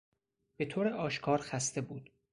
به طور آشکار خسته بود.